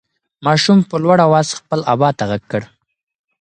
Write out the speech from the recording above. ماشوم په لوړ اواز خپل ابا ته غږ کړ.